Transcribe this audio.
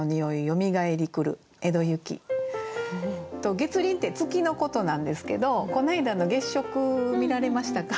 「月輪」って月のことなんですけどこの間の月食見られましたか？